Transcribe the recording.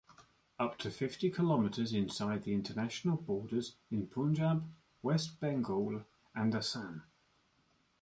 Up to fifty kilometres inside the international borders in Punjab, West Bengal and Assam.